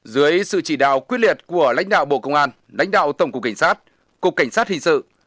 dưới sự chỉ đạo quyết liệt của lãnh đạo bộ công an lãnh đạo tổng cục cảnh sát cục cảnh sát hình sự